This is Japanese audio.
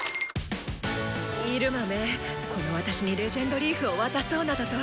イルマめこの私に「レジェンドリーフ」を渡そうなどと！